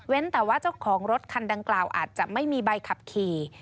แต่ว่าเจ้าของรถคันดังกล่าวอาจจะไม่มีใบขับขี่